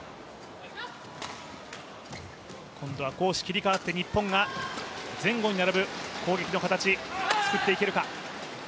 今度は攻守切り替わって日本が前後に並ぶ攻撃の形作っていけるか。